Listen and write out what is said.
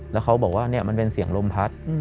แล้วเขาบอกว่ามันเป็นเสียงลมพัด